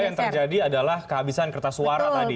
sehingga yang terjadi adalah kehabisan kertas suara tadi ya